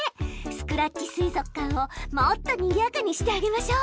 スクラッチ水族館をもっとにぎやかにしてあげましょ！